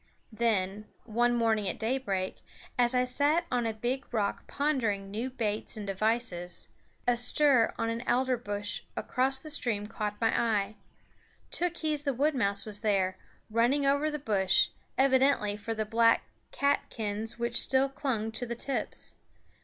Then, one morning at daybreak, as I sat on a big rock pondering new baits and devices, a stir on an alder bush across the stream caught my eye. Tookhees the wood mouse was there, running over the bush, evidently for the black catkins which still clung to the tips.